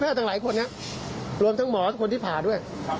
พ่อตังค์เนี่ยรวมทั้งหมอส่วนเขาที่ผ่าด้วย